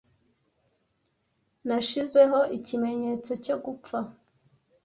Nashizeho ikimenyetso cyo gupfa;